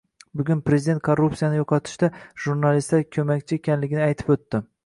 Bugun prezident korrupsiyani yoʻqotishda jurnalistlar koʻmakchi ekanligini aytib oʻtdi.